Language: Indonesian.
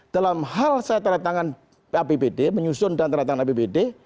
dalam hal saya terletakkan apbd menyusun dan terletakkan apbd